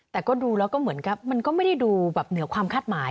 แต่ก็ดูแล้วก็เหมือนกับมันก็ไม่ได้ดูแบบเหนือความคาดหมาย